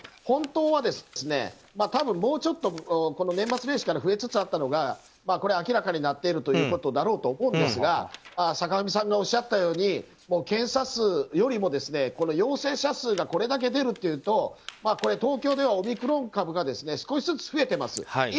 本当はもうちょっと年末年始から増えつつあったのがこれが明らかになっているということだろうと思うんですが坂上さんがおっしゃったように検査数よりも陽性者数がこれだけ出るというと東京ではオミクロン株が少しずつ増えてます。